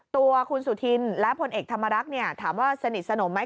ตัวคุณสุธินและพลเอกธรรมรักษ์ถามว่าสนิทสนมไหม